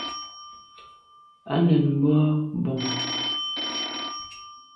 À nèn boa bon.